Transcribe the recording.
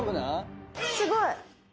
すごい！